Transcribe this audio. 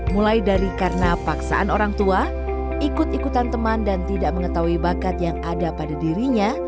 mulai dari karena paksaan orang tua ikut ikutan teman dan tidak mengetahui bakat yang ada pada dirinya